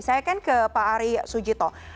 saya akan ke pak ari sujito